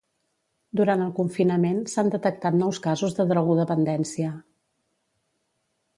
Durant el confinament, s'han detectat nous casos de drogodependència.